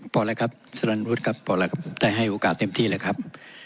พอแล้วครับสลันวุฒิครับพอแล้วครับได้ให้โอกาสเต็มที่เลยครับ